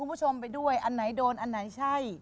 คุณผู้ชมไปด้วยอันไหนโดนอันไหนใช่